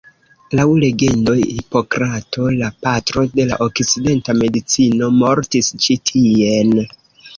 Laŭ legendo Hipokrato, la patro de la okcidenta medicino, mortis ĉi tien.